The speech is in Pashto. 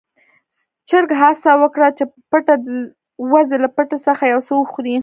چرګ هڅه وکړه چې په پټه د وزې له پټي څخه يو څه وخوري.